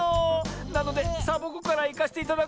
なのでサボ子からいかせていただくわ。